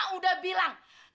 kau mau ngasih apa